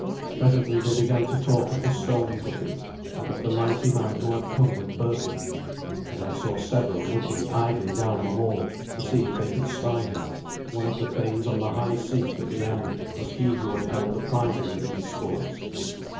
Presently they began to talk of the stone putting, and of the mighty man who had come with Berthun, and I saw several looking idly down the hall to see if they could spy him. One of the thanes on the high seat, at the end, was he who had held the prizes at these sports.